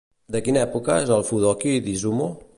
De quina època és el Fudoki d'Izumo?